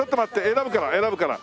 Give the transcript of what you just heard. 選ぶから選ぶから。